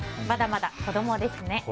まだまだ子供ですね。